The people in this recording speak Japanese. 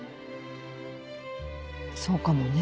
そうかもね。